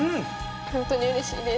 本当にうれしいです。